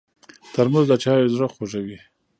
ترموز د چایو زړه خوږوي.